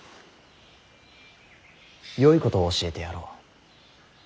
よいことを教えてやろう。